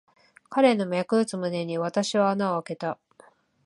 彼の脈打つ胸に、私は穴をあけた。